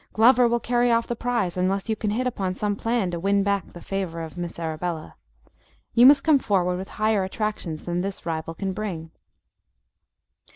Glover will carry off the prize unless you can hit upon some plan to win back the favour of Miss Arabella. You must come forward with higher attractions than this rival can bring."